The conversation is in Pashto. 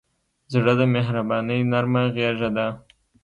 زړه د مهربانۍ نرمه غېږه ده.